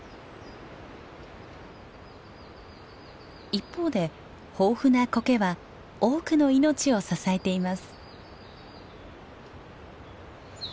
一方で豊富なコケは多くの命を支えています。